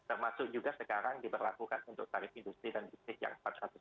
termasuk juga sekarang diberlakukan untuk tarif industri dan listrik yang empat ratus lima puluh